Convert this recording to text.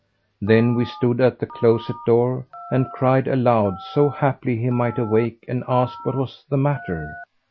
Then we stood at the closet door and cried aloud so haply he might awake and ask what was the matter.